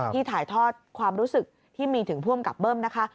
ถ่ายทอดความรู้สึกที่มีถึงผู้อำกับเบิ้มนะคะ